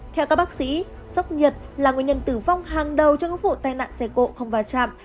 theo các bác sĩ sốc nhiệt là nguyên nhân tử vong hàng đầu trong những vụ tai nạn xe cộ không vào chạm